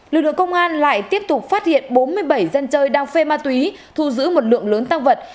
lực lượng công an lại tiếp tục phát hiện bốn mươi bảy dân chơi đang phê ma túy thu giữ một lượng lớn tăng vật